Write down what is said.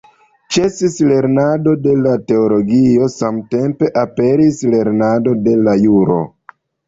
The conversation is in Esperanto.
Ĉesis lernado de la teologio, samtempe aperis lernado de la juro.